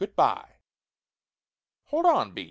Good by !" "Hold on, B.